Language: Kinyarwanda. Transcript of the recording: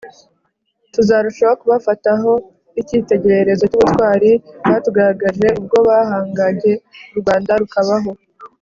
tuzarushaho kubafataho icyitegererezo cy’ubutwari batugaragarije ubwo bahangage u Rwanda rukabaho